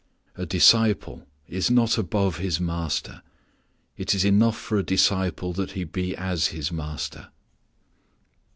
"A disciple is not above his master.... It is enough for a disciple that he be as his master."